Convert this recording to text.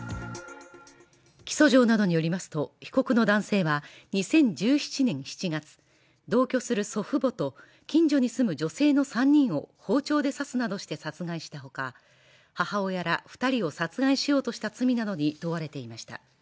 起訴状などによりますと被告の男性は２０１７年７月、同居する祖父母と近所に住む女性の３人を包丁で刺すなどして殺害したほか母親ら２人を殺害しようとした罪などに問われていました。